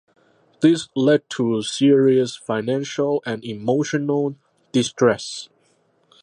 This led to serious financial and emotional distress.